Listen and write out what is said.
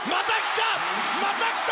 また来た！